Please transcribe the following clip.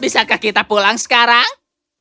bisakah kita pulang sekarang